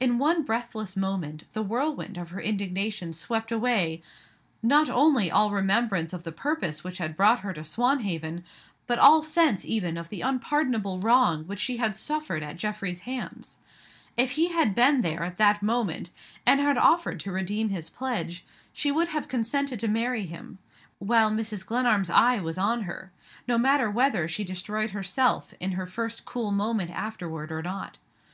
In one breathless moment the whirlwind of her indignation swept away, not only all remembrance of the purpose which had brought her to Swanhaven, but all sense even of the unpardonable wrong which she had suffered at Geoffrey's hands. If he had been there, at that moment, and had offered to redeem his pledge, she would have consented to marry him, while Mrs. Glenarm s eye was on her no matter whether she destroyed herself in her first cool moment afterward or not.